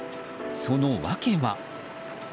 その訳は。